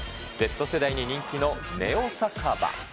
Ｚ世代に人気のネオ酒場。